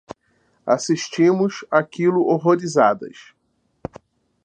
Assistimos àquilo horrorizadas